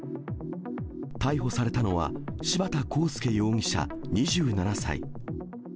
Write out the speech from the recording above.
逮捕されたのは、柴田光祐容疑者２７歳。